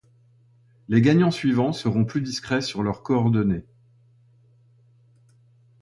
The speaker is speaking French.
Les gagnants suivants seront plus discrets sur leurs coordonnées.